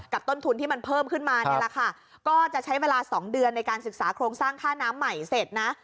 ต้นทุนที่มันเพิ่มขึ้นมาเนี่ยแหละค่ะก็จะใช้เวลาสองเดือนในการศึกษาโครงสร้างค่าน้ำใหม่เสร็จนะ